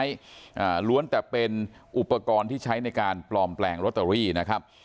อ่าล้วนแต่เป็นอุปกรณ์ที่ใช้ในการปลอมแปลงลอตเตอรี่นะครับ